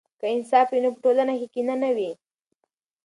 که انصاف وي نو په ټولنه کې کینه نه وي.